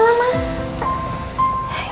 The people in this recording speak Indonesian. ibu biar gak nunggu lama lama